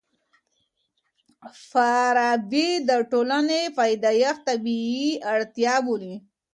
فارابي د ټولني پيدايښت طبيعي اړتيا بولي.